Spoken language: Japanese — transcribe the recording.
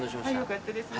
よかったです。